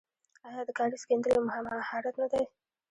آیا د کاریز کیندل یو مهارت نه دی؟